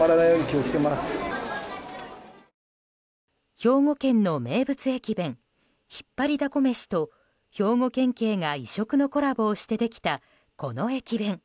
兵庫県の名物駅弁ひっぱりだこ飯と兵庫県警が異色のコラボをしてできたこの駅弁。